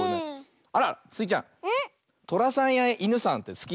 あらスイちゃんとらさんやいぬさんってすき？